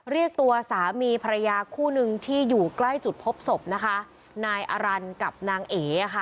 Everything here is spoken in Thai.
เรียกตัวสามีภรรยาคู่หนึ่งที่อยู่ใกล้จุดพบศพนายอรันทร์กับนางเอ๋